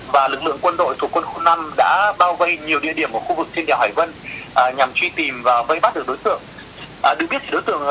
và lúc này đây thì mọi thứ khác đang được tích cực triển khai để có thể khép sạch vòng vây và phát hiện được đối tượng